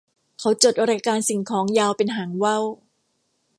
เขาจดรายการสิ่งของยาวเป็นหางว่าว